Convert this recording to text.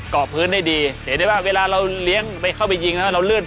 อกพื้นได้ดีเห็นได้ว่าเวลาเราเลี้ยงไปเข้าไปยิงแล้วเราลื่น